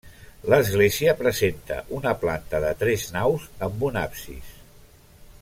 L'església presenta una planta de tres naus amb un absis.